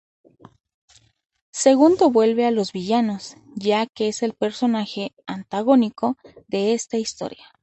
Segundo vuelve a los villanos, ya que es el personaje antagónico de esta historia.